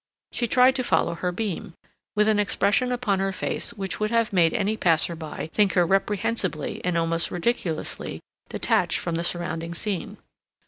She tried to follow her beam, with an expression upon her face which would have made any passer by think her reprehensibly and almost ridiculously detached from the surrounding scene.